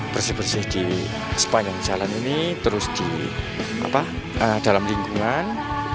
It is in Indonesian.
bersih bersih di sepanjang jalan ini terus di dalam lingkungan